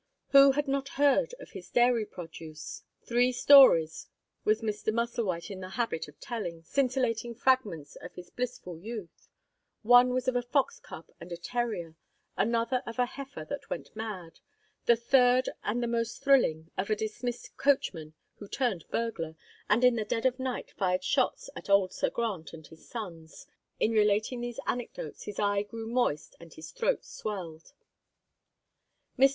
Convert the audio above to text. Who had not heard of his dairy produce? Three stories was Mr. Musselwhite in the habit or telling, scintillating fragments of his blissful youth; one was of a fox cub and a terrier; another of a heifer that went mad; the third, and the most thrilling, of a dismissed coachman who turned burglar, and in the dead of night fired shots at old Sir Grant and his sons. In relating these anecdotes, his eye grew moist and his throat swelled. Mr.